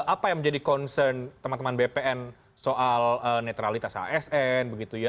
apa yang menjadi concern teman teman bpn soal netralitas asn begitu ya